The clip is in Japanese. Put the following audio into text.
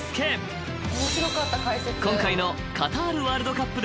［今回の］